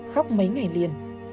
khóc mấy ngày liền